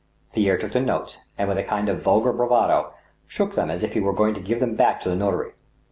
" Pierre took the notes, and, with a kind of vulgar bravado, shook them as if he were going to pve them back to the notary.